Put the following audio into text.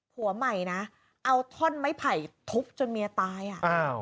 ผัวใหม่นะเอาท่อนไม้ไผ่ทุบจนเมียตายอ่ะอ้าว